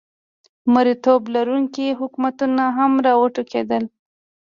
د مریتوب لرونکي حکومتونه هم را وټوکېدل.